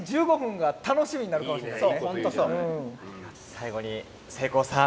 最後にせいこうさん。